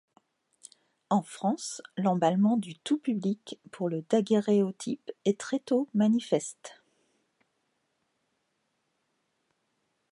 En France, l'emballement du tout public pour le daguerréotype est très tôt manifeste.